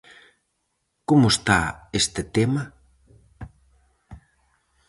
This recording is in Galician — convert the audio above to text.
Como está este tema?